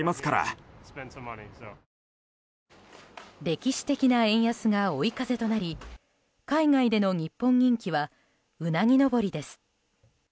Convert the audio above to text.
歴史的な円安が追い風となり海外での日本人気はうなぎ登りです。